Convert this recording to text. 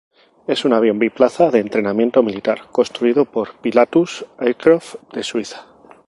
Es un avión biplaza de entrenamiento militar construido por Pilatus Aircraft, de Suiza.